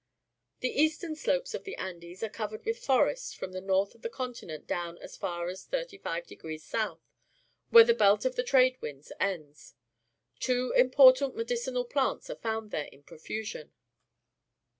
The ea.stern slopes of the .\ndes are cov ered with forest from the north of the con tinent down as far as 35° 8., where the belt of the trade winds ends. Two important medicinal plants are found there in profusion.